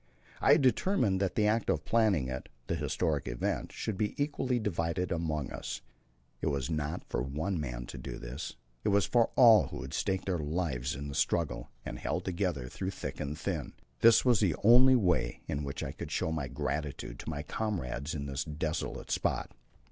I had determined that the act of planting it the historic event should be equally divided among us all. It was not for one man to do this; it was for all who had staked their lives in the struggle, and held together through thick and thin. This was the only way in which I could show my gratitude to my comrades in this desolate spot.